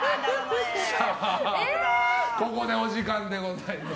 ここでお時間でございます。